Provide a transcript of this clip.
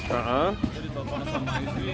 jadi terpaksa mengisi